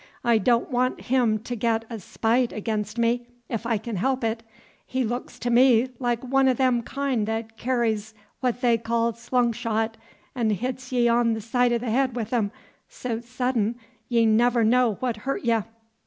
I don' want him to get a spite ag'inst me, 'f I c'n help it; he looks to me like one o' them kind that kerries what they call slung shot, 'n' hits ye on the side o' th' head with 'em so suddin y' never know what hurts ye."